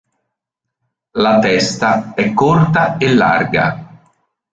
La testa è corta e larga.